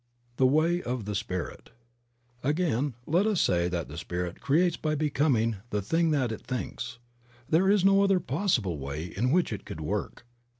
THE WAY OF THE SPIRIT. A GAIN let us say that the Spirit creates by becoming the thing that it thinks. There is no other possible way in which it could work.